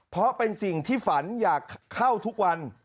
เพราะเป็นสิ่งที่ฝันอยากเข้าทุกวัน